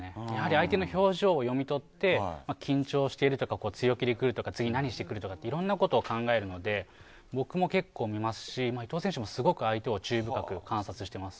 相手の表情を読み取って緊張しているとか強気で来るとか次何してくるとかいろんなこと考えるので僕も見ますし伊藤選手もすごく相手を注意深く観察しています。